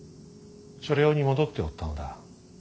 所領に戻っておったのだ。